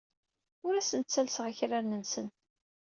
Ur asen-ttellseɣ akraren-nsen.